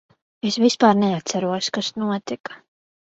Es vispār neatceros, kas notika.